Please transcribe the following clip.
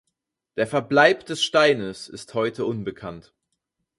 Der Verbleib des Steines ist heute unbekannt.